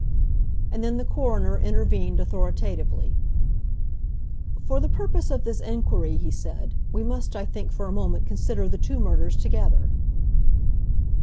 And then the coroner intervened authoritatively: "For the purpose of this inquiry," he said, "we must, I think, for a moment consider the two murders together."